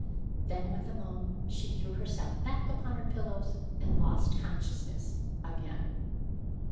Then with a moan she threw herself back upon her pillows and lost consciousness again.